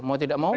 mau tidak mau kan